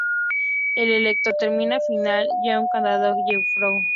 El elenco termina Final Jam cantando "We Rock".